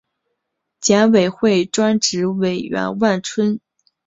检委会专职委员万春、张志杰先后发言